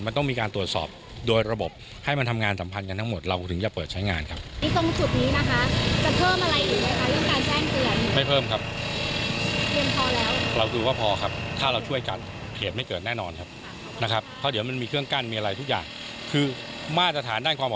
มันต้องสัมพันธ์กันมันต้องมีการตรวจสอบ